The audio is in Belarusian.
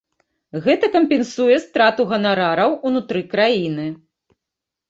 Гэта кампенсуе страту ганарараў унутры краіны.